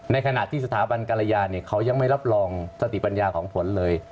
ในขณะที่สถาบันกรยาเขายังไม่รับรองสติปัญญาของผลเลย